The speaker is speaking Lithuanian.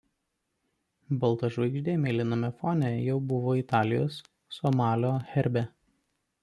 Balta žvaigždė mėlyname fone jau buvo Italijos Somalio herbe.